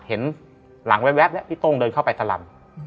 เห็นหลังแว๊บพี่โต้งเดินเข้าไปสลำ